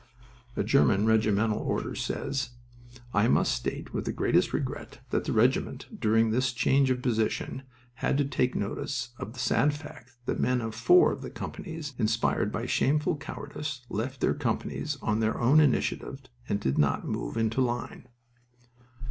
A German regimental order says: "I must state with the greatest regret that the regiment, during this change of position, had to take notice of the sad fact that men of four of the companies, inspired by shameful cowardice, left their companies on their own initiative and did not move into line."